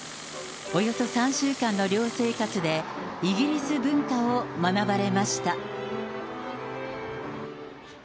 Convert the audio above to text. およそ３週間の寮生活でイギリス文化を学ばれました。